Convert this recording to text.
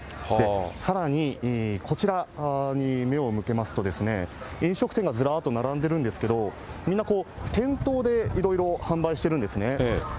さらにこちらに目を向けますと、飲食店がずらっと並んでるんですけど、みんなこう、店頭でいろいろ販売してるんですね。